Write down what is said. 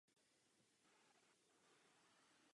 Pomáhat ji poslala matka.